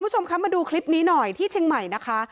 คุณผู้ชมคะมาดูคลิปนี้หน่อยที่เชียงใหม่นะคะ